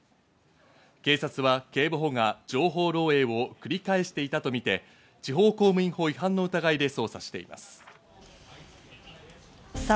警察は警部補が情報漏えいを繰り返していたとみて、地方公務員法違反の疑いで捜査しています。